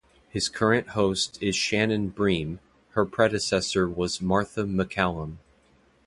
His current co-host is Shannon Bream; her predecessor was Martha Maccallum.